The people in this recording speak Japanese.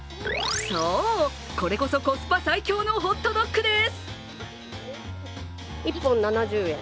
そう、これこそコスパ最強のホットドッグです。